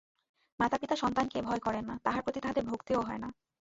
মাতাপিতা সন্তানকে ভয় করেন না, তাহার প্রতি তাঁহাদের ভক্তিও হয় না।